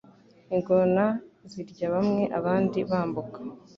Ingona zirya bamwe abandi bambuka